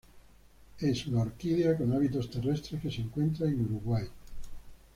Es una orquídea con hábitos terrestres que se encuentra en Uruguay.